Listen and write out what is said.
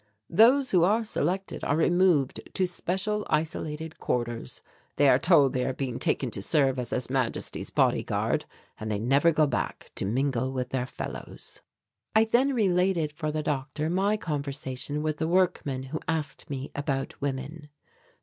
"Those who are selected are removed to special isolated quarters. They are told they are being taken to serve as His Majesty's body guard; and they never go back to mingle with their fellows." I then related for the doctor my conversation with the workman who asked me about women.